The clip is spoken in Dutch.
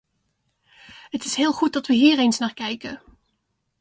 Het is heel goed dat we hier eens naar kijken.